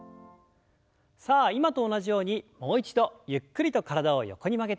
さあ今と同じようにもう一度ゆっくりと体を横に曲げていきます。